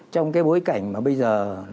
trong cái bối cảnh mà bây giờ